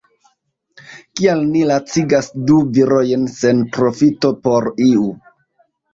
Kial ni lacigas du virojn sen profito por iu?